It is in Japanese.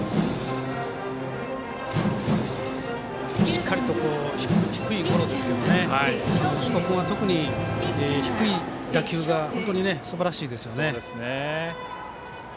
しっかりと低いゴロですけど、星子君は特に低い打球が本当にすばらしいですね。